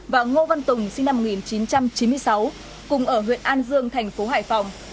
và ngô văn tùng sinh năm một nghìn chín trăm chín mươi sáu cùng ở huyện an dương thành phố hải phòng